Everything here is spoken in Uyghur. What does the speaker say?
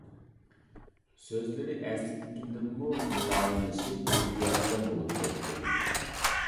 سۆزلىرى ئەسلىدىكىدىنمۇ مۇلايىملىشىپ ئېھتىياتچان بولۇپ كەتتى.